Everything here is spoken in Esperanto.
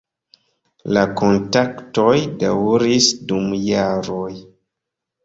La kontaktoj daŭris dum jaroj.